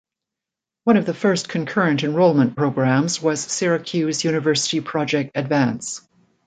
One of the first concurrent enrollment programs was Syracuse University Project Advance.